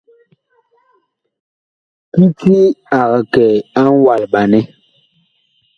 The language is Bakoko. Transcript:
Kiti ag kɛ a ŋwalɓanɛ.